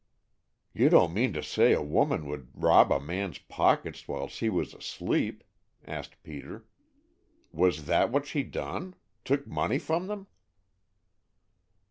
"You don't mean to say a woman would rob a man's pockets whilst he was asleep?" asked Peter. "Was that what she done? Took money from them?"